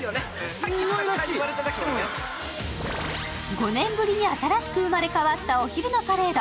５年ぶりに新しく生まれ変わったお昼のパレード。